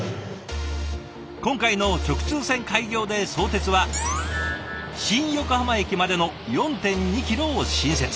今回の直通線開業で相鉄は新横浜駅までの４．２ｋｍを新設。